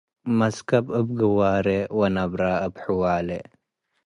. መስከብ እብ ግዋሬወ ነብረ እብ ሕዋሌ፣